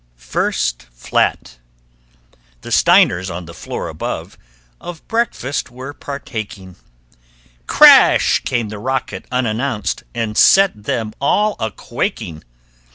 [Illustration: THE BASEMENT] FIRST FLAT The Steiners on the floor above Of breakfast were partaking; Crash! came the rocket, unannounced, And set them all a quaking!